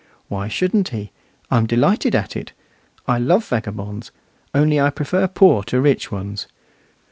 Why shouldn't he? I'm delighted at it. I love vagabonds, only I prefer poor to rich ones.